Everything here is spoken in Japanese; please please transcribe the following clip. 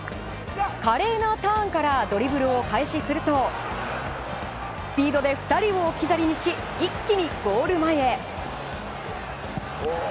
華麗なターンからドリブルを開始するとスピードで２人を置き去りにし一気にゴール前へ。